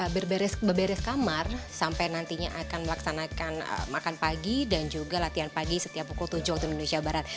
berberes kamar sampai nantinya akan melaksanakan makan pagi dan juga latihan pagi setiap pukul tujuh waktu indonesia barat